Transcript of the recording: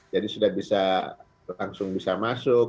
jadi sudah bisa langsung bisa masuk